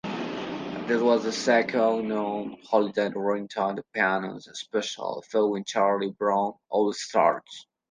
This was the second non-holiday-oriented "Peanuts" special, following "Charlie Brown's All-Stars".